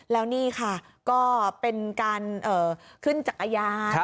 แล้วนี่ค่ะก็เป็นการขึ้นจักรยาน